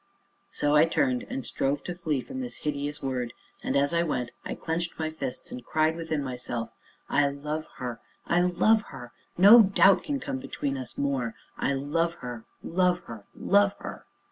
So I turned and strove to flee from this hideous word, and, as I went, I clenched my fists and cried within myself: "I love her love her no doubt can come between us more I love her love her love her!"